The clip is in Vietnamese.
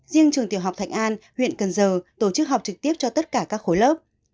riêng trường tiểu học thạch an huyện cần giờ tổ chức học trực tiếp cho tất cả các khối lớp